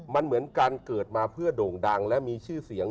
มันเหมือนการเกิดมาเพื่อโด่งดังและมีชื่อเสียง